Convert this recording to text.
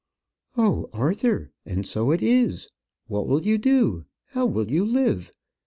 "Oh, Arthur, and so it is. What will you do? How will you live?